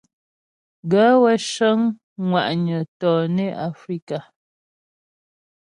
Gaə̂ wə́ cə́ŋ ŋwà'nyə̀ tɔnə Afrikà.